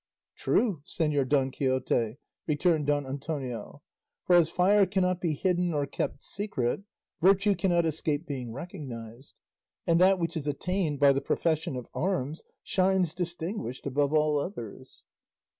"True, Señor Don Quixote," returned Don Antonio; "for as fire cannot be hidden or kept secret, virtue cannot escape being recognised; and that which is attained by the profession of arms shines distinguished above all others."